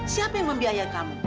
siapa yang membiayai kamu